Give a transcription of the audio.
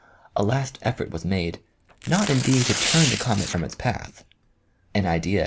A last effort was made, not indeed to turn the comet from its path an idea 24 OMEGA.